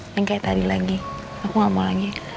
yang kayak tadi lagi aku gak mau lagi